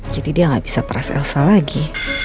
jadi dia gak bisa peras elsa lagi